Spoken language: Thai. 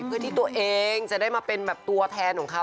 เพื่อที่ตัวเองจะได้มาเป็นแบบตัวแทนของเขา